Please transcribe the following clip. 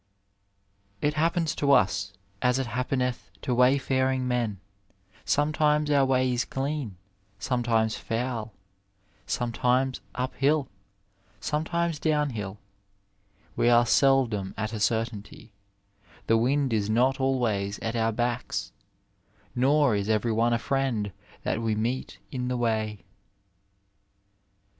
It happens to us, as it happeneth to wayfaring men : sometimeB our way is clean, sometimes foul; sometimes up hill, sometimes down hill ; we are seldom at a certainty ; the wind is not always at our backs, nor is every one a friend that we meet in the way.